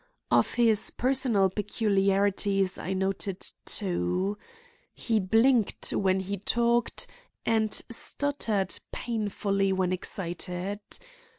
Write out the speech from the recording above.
Of his personal peculiarities I noted two. He blinked when he talked, and stuttered painfully when excited.